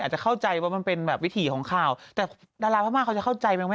จะเข้าใจว่ามันเป็นแบบวิถีของข่าวแต่ดาราพม่าเขาจะเข้าใจไหมว่า